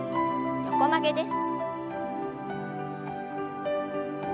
横曲げです。